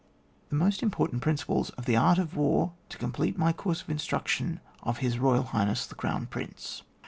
THE MOST IMPORTANT PRINCIPLES OF THE ART OF WAR TO COMPLETE MY COURSE OF INSTRUCTION OF HIS ROYAL HIGHNESS THE CROWN PRINCE.